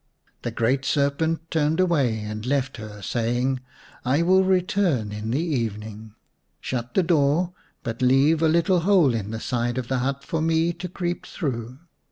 The great serpent turned away and left her, saying : "I will return in the evening. Shut the door, but leave a little hole in the side of the hut for me to creep through.